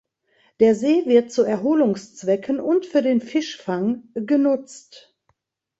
Der See wird zu Erholungszwecken und für den Fischfang genutzt.